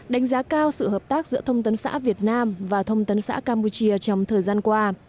đánh giá cao sự hợp tác giữa thông tấn xã việt nam và thông tấn xã campuchia trong thời gian qua